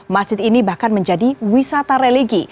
masjid ini bahkan menjadi wisata religi